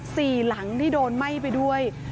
สี่หลังที่โดนไหม้ไปด้วย